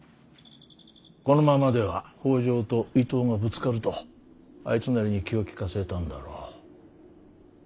このままでは北条と伊東がぶつかるとあいつなりに気を利かせたんだろう。